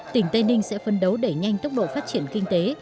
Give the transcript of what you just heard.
tỉnh tây ninh sẽ phân đấu đẩy nhanh tốc độ phát triển kinh tế